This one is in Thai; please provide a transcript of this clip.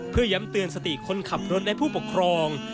เพื่อย้ำเตือนสติคนขับรถและผู้ปกครอง